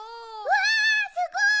うわすごい！